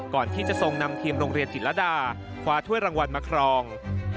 ทรงนำทีมโรงเรียนจิตรดาคว้าถ้วยรางวัลมาครอง